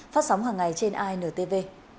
phát sóng hàng ngày trên intv